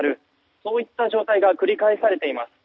そういった状態が繰り返されています。